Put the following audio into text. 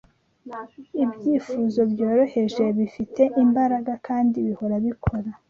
Ibyifuzo byoroheje, bifite imbaraga kandi bihora bikora